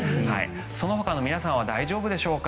そのほかの皆さんは大丈夫でしょうか。